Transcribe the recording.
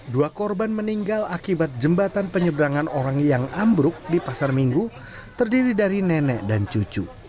dua korban meninggal akibat jembatan penyeberangan orang yang ambruk di pasar minggu terdiri dari nenek dan cucu